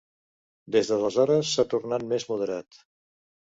Des d'aleshores s'ha tornat més moderat.